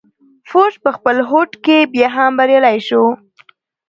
فورډ په خپل هوډ کې بيا هم بريالی شو.